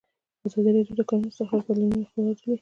ازادي راډیو د د کانونو استخراج بدلونونه څارلي.